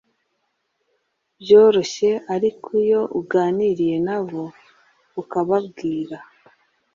byoroshye ariko iyo uganiriye na bo ukababwira